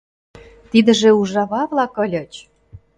Тидыже ужава-влак ыльыч!